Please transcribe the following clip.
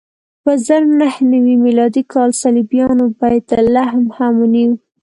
په زر نهه نوې میلادي کال صلیبیانو بیت لحم هم ونیو.